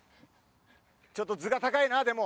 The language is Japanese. ちょっと頭が高いなでも。